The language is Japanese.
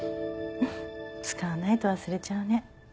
使わないと忘れちゃうね。